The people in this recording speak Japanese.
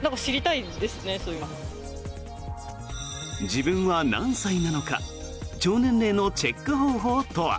自分は何歳なのか腸年齢のチェック方法とは。